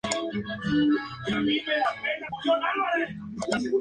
Los subtítulos en Castellano para la versión física corrieron a cargo de Ignacio Bats.